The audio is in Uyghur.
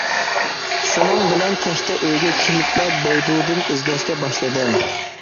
شۇنىڭ بىلەن كەچتە ئۆيگە كېلىپلا بەيدۇدىن ئىزدەشكە باشلىدىم.